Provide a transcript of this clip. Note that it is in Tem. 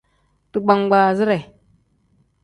Digbangbaazire.